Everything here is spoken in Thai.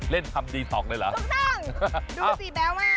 เล่นทำดีทองเลยเหรอดูสีแบ้วมากครับทุกท่อง